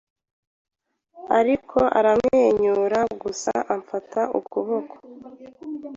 Ariko aramwenyura gusa, amfata ukuboko.